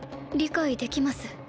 理解できます